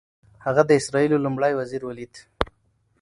هغه د اسرائیلو لومړي وزیر ولید.